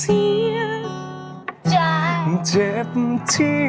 หมดหัวใจ